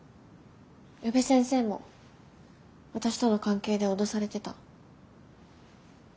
宇部先生も私との関係で脅されてた。